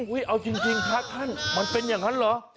เอาจริงพระท่านมันเป็นอย่างนั้นเหรอ